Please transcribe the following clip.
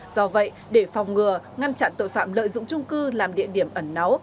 do vậy để phòng ngừa ngăn chặn tội phạm lợi dụng trung cư làm địa điểm ẩn náu